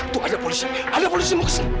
tuh ada polisi ada polisi mau kesini